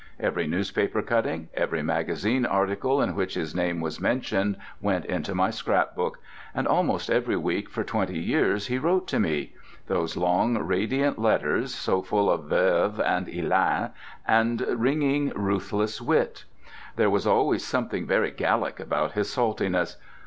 Every newspaper cutting, every magazine article in which his name was mentioned, went into my scrapbook. And almost every week for twenty years he wrote to me—those long, radiant letters, so full of verve and élan and ringing, ruthless wit. There was always something very Gallic about his saltiness.